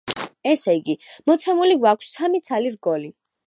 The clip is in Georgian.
ესე იგი, მოცემული გვაქვს სამი ცალი რგოლი.